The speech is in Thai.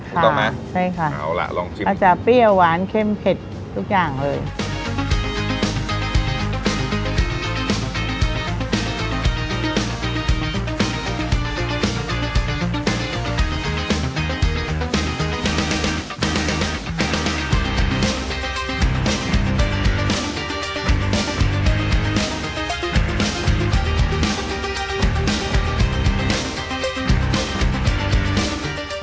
ค่ะใช่ค่ะอาจจะเปรี้ยวหวานเข้มเผ็ดทุกอย่างเลยเอาล่ะลองชิม